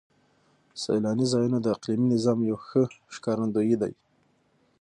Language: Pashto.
سیلاني ځایونه د اقلیمي نظام یو ښه ښکارندوی دی.